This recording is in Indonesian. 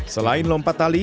selain lompat tali